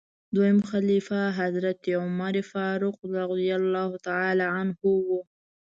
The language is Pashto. دویم خلیفه حضرت عمر فاروق رض و.